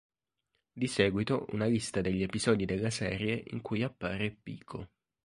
Di seguito una lista degli episodi della serie in cui appare Pico.